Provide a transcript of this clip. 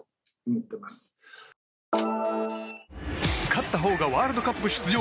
勝ったほうがワールドカップ出場。